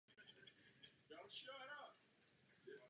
Ke zbourání však nedošlo.